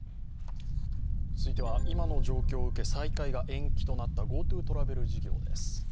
今の状況を受け、再開が延期となったＧｏＴｏトラベル事業です。